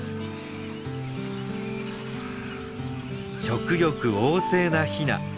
食欲旺盛なヒナ。